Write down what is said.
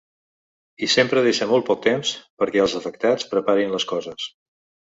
I sempre deixa molt poc temps perquè els afectats preparin les coses.